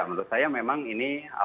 menurut saya memang ini